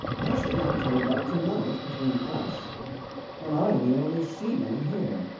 Has it not turned up to night between us? And I am the only seaman here.